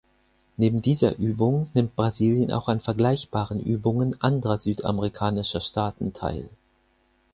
Neben dieser Übung nimmt Brasilien auch an vergleichbaren Übungen anderer südamerikanischer Staaten teil.